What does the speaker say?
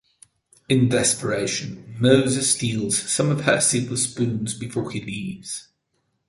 In desperation, Moses steals some of her silver spoons before he leaves.